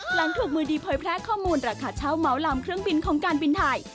หลังถูกมือดีเผยแพร่ข้อมูลราคาเช่าเมาลำเครื่องบินของการบินไทย